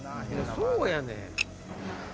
そうやねん。